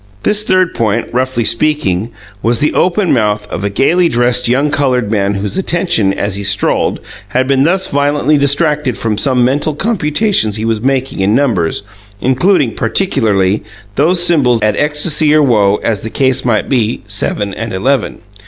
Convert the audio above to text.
This third point, roughly speaking, was the open mouth of a gayly dressed young coloured man whose attention, as he strolled, had been thus violently distracted from some mental computations he was making in numbers, including, particularly, those symbols at ecstasy or woe, as the case might be, seven and eleven.